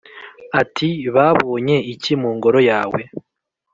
ati «Babonye iki mu ngoro yawe ?»